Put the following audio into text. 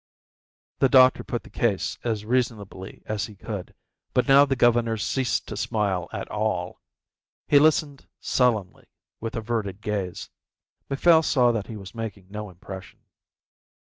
The doctor put the case as reasonably as he could, but now the governor ceased to smile at all. He listened sullenly, with averted gaze. Macphail saw that he was making no impression.